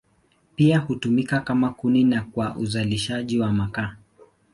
Pia hutumika kama kuni na kwa uzalishaji wa makaa.